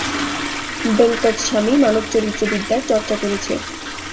বেঙ্কটস্বামী মানবচরিত্রবিদ্যার চর্চা করেছে।